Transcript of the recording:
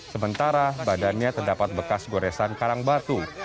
sementara badannya terdapat bekas goresan karang batu